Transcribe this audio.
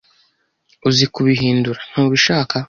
Uzi kubihindura, ntubishaka.